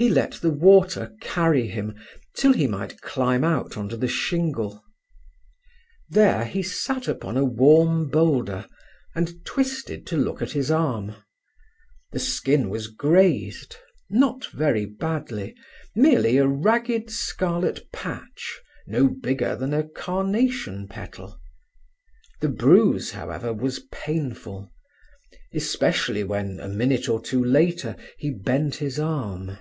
He let the water carry him till he might climb out on to the shingle. There he sat upon a warm boulder, and twisted to look at his arm. The skin was grazed, not very badly, merely a ragged scarlet patch no bigger than a carnation petal. The bruise, however, was painful, especially when, a minute or two later, he bent his arm.